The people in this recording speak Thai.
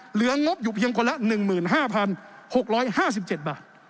งบอยู่เพียงคนละ๑๕๖๕๗บาท